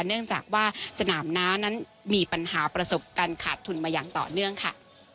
เนื่องจากว่าสนามน้านั้นมีปัญหาประสบการณ์ขาดทุนมาอย่างต่อเนื่องค่ะ